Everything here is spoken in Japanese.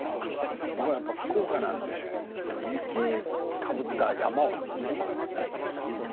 福岡なので雪をかぶった山を見ることがないんですよね。